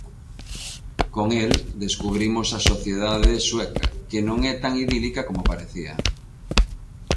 Con el descubrimos a sociedade sueca, que non é tan idílica como parecía.